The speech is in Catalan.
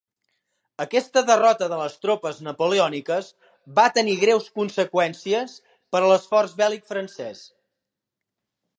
Aquesta derrota de les tropes napoleòniques va tenir greus conseqüències per a l'esforç bèl·lic francès.